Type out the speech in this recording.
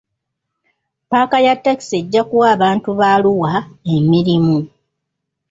Paaka ya takisi ejja kuwa abantu ba Arua emirimu.